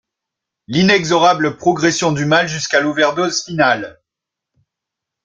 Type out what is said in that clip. l’inexorable progression du mal jusqu’à l’overdose finale.